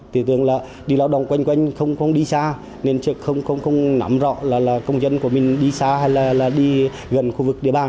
tiểu tưởng là đi lao động quanh không đi xa nên không nắm rõ là công dân của mình đi xa hay là đi gần khu vực địa bàn